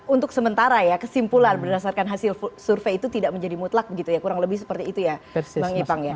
untuk sementara ya kesimpulan berdasarkan hasil survei itu tidak menjadi mutlak begitu ya kurang lebih seperti itu ya bang ipang ya